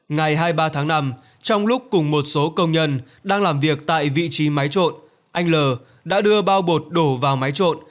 ngày hai mươi ba tháng năm trong lúc cùng một số công nhân đang làm việc tại vị trí máy trộn anh l đã đưa bao bột đổ vào máy trộn